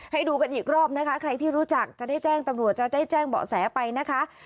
ให้ดูกันอีกรอบนะคะใครที่รู้จักจะได้แจ้งตำรวจจะได้แจ้งเบาะแสไปนะคะ